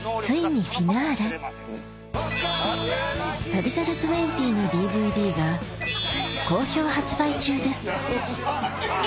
『旅猿２０』のＤＶＤが好評発売中です